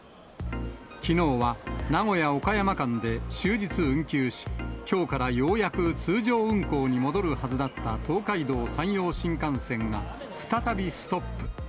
きのうは名古屋・岡山間で終日運休し、きょうからようやく通常運行に戻るはずだった東海道・山陽新幹線が、再びストップ。